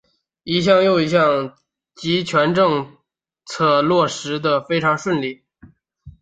一项又一项的极权政策落实得非常顺利。